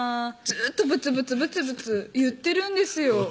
ずっとブツブツ言ってるんですよ